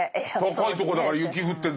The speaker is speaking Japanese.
高いとこだから雪降ってんだろ？